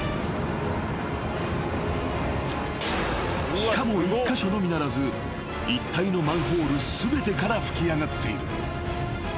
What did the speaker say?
［しかも１カ所のみならず一帯のマンホール全てから噴き上がっている］